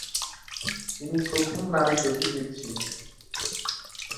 তিনি প্রথম নারী জ্যোতির্বিদ ছিলেন।